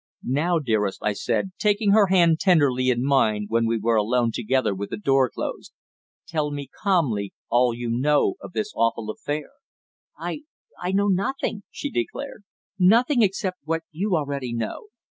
"Now, dearest," I said, taking her hand tenderly in mine when we were alone together with the door closed, "tell me calmly all you know of this awful affair." "I I know nothing," she declared. "Nothing except what you already know.